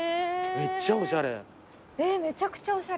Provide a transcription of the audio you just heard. めちゃくちゃおしゃれ。